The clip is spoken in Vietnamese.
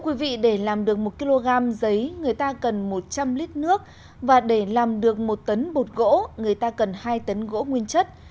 còn được một tấn bột gỗ người ta cần hai tấn gỗ nguyên chất